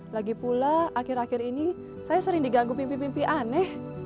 lagi pula akhir akhir ini saya sering diganggu mimpi mimpi aneh